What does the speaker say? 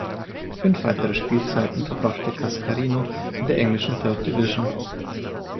Fünf weitere Spielzeiten verbrachte Cascarino in der englischen Third Division.